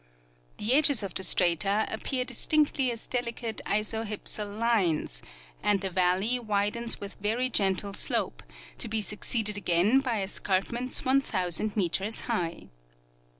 The edges of the strata appear distinctly as deli cate isohypsal lines, and the valley widens with very gentle slope, to be succeeded again by escarpments 1,000 meters high.